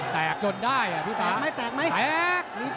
แตกจนได้อ่ะพี่ตาแตกมั้ยแตกมั้ย